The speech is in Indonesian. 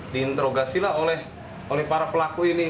diinterogasilah oleh para pelaku ini